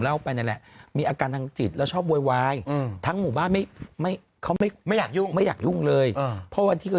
แต่ว่าสามีเขากับลูกเขาก็ไม่ได้ติดต่อมาเลยนะ